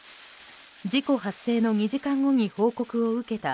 事故発生の２時間後に報告を受けた